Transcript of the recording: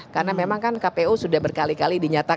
karena memang kan kpu sudah berkali kali dinyatakan